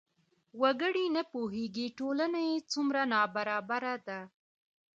وګړي نه پوهېږي ټولنه یې څومره نابرابره ده.